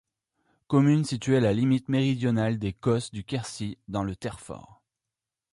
Commune située à la limite méridionale des causses du Quercy, dans le Terrefort.